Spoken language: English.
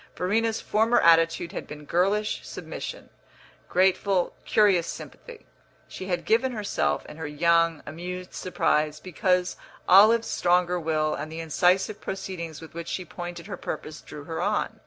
Verena's former attitude had been girlish submission, grateful, curious sympathy. She had given herself, in her young, amused surprise, because Olive's stronger will and the incisive proceedings with which she pointed her purpose drew her on.